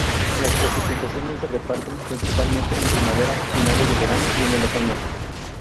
Las precipitaciones se reparten principalmente en primavera, finales del verano y en el otoño.